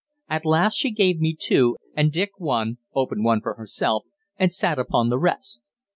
At last she gave me two, and Dick one, opened one herself, and sat upon the rest.